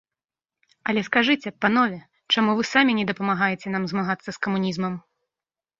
Але скажыце, панове, чаму вы самі не дапамагаеце нам змагацца з камунізмам?